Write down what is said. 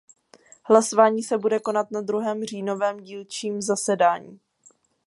Hlasování se bude konat na druhém říjnovém dílčím zasedání.